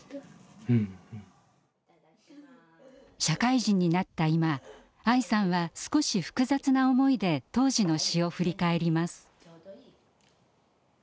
社会人になった今愛さんは少し複雑な思いで当時の詩を振り返ります。